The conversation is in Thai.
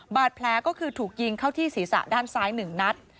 บาดแผลก็คือถูกยิงเข้าที่ศีรษะด้านซ้าย๑นัด